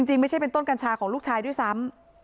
จริงไม่ใช่เป็นต้นกัญชาของลูกชายด้วยซ้ำ